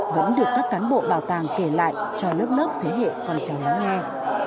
vẫn được các cán bộ bảo tàng kể lại cho lớp lớp thế hệ con trời láng ngang